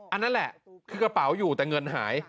อันนั้นแหละคือกระเป๋าอยู่แต่เงินหาย